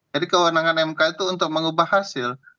jadi kewenangan mk itu untuk mengubah hasil